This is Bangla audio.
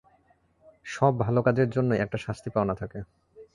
সব ভালো কাজের জন্যই একটা শাস্তি পাওনা থাকে।